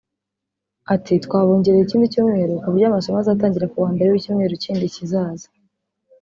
Ati “ twabongereye ikindi cyumweru ku buryo amasomo azatangira ku wa mbere w’icyumweru kindi kizaza